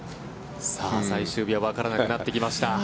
さあ、最終日はわからなくなってきました。